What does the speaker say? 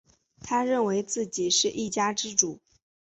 他认为自己是一家之主